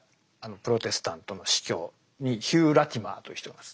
プロテスタントの主教にヒュー・ラティマーという人がいます。